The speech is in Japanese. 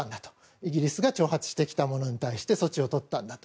イギリスが挑発してきたことに対して措置をとったんだと。